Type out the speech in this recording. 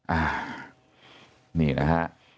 อ่านี่นะฮะ